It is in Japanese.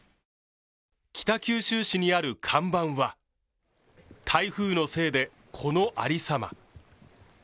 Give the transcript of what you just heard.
北九州市にある看板は台風のせいで、このありさま。